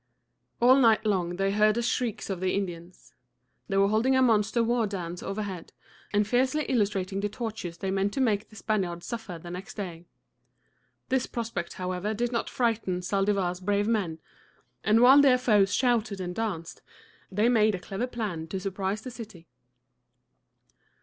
All night long they heard the shrieks of the Indians. They were holding a monster war dance overhead, and fiercely illustrating the tortures they meant to make the Spaniards suffer the next day. This prospect, however, did not frighten Zaldivar's brave men, and while their foes shouted and danced, they made a clever plan to surprise the city.